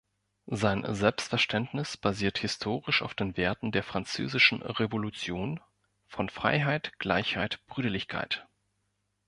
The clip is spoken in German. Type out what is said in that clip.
Sein Selbstverständnis basiert historisch auf den Werten der Französischen Revolution von Freiheit, Gleichheit, Brüderlichkeit.